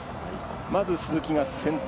まず鈴木が先頭。